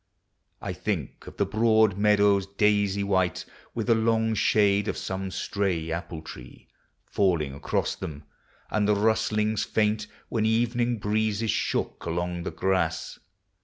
I think of the broad meadows, daisy white, With the long shade of some stray apple tree Falling across them, — and the rustlings fainl When evening breezes shook along the grass.